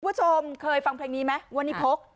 คุณผู้ชมเคยฟังเพลงนี้ไหมวันนี้พก